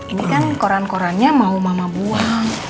ini kan koran korannya mau mama buang